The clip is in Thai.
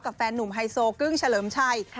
แฟนหนุ่มไฮโซกึ้งเฉลิมชัย